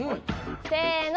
せの！